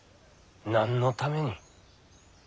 何のために？